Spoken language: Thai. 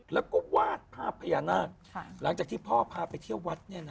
แล้วก็วาดภาพพญานาคหลังจากที่พ่อพาไปเที่ยววัด